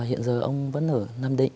hiện giờ ông vẫn ở nam định